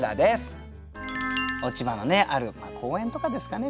落ち葉のある公園とかですかね